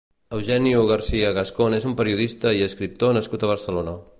Eugenio García Gascón és un periodista i escriptor nascut a Barcelona.